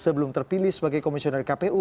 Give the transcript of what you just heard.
sebelum terpilih sebagai komisioner kpu